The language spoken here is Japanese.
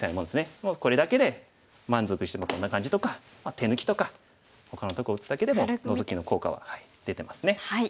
もうこれだけで満足してこんな感じとか手抜きとかほかのとこ打つだけでもノゾキの効果は出てますね。